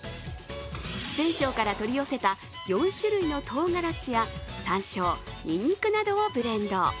四川省から取り寄せた４種類のとうがらしやさんしょう、にんにくなどをブレンド。